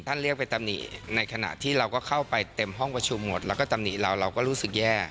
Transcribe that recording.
เรียกไปตำหนิในขณะที่เราก็เข้าไปเต็มห้องประชุมหมดแล้วก็ตำหนิเราเราก็รู้สึกแย่